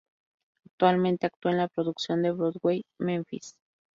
Actualmente actúa en la producción de Broadway "Memphis".